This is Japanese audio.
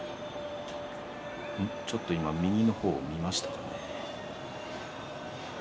ちょっと今、右の方を見ましたかね。